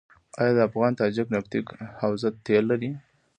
آیا د افغان تاجک نفتي حوزه تیل لري؟